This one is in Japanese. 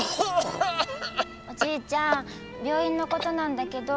おじいちゃん病院のことなんだけど。